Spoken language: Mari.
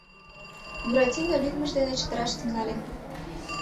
Буратино лӱдмыж дене чытыраш тӱҥале.